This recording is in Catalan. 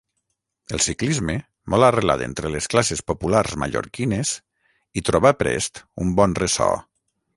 El ciclisme, molt arrelat entre les classes populars mallorquines, hi trobà prest un bon ressò.